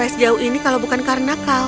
tidak begitu akut tak keluarkan semalam